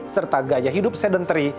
serta gaya hidup sedentari